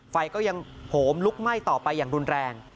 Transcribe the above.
ไฟก็ยังโหมลุกไหม้ต่อไปอย่างรุนแรง